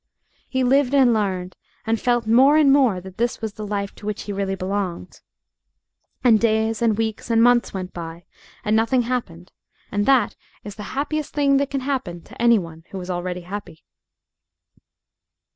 He lived and learned, and felt more and more that this was the life to which he really belonged. And days and weeks and months went by and nothing happened, and that is the happiest thing that can happen to any one who is already happy.